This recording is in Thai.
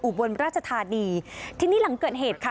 บนราชธานีทีนี้หลังเกิดเหตุค่ะ